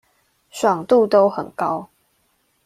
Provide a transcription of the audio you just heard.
爽度都很高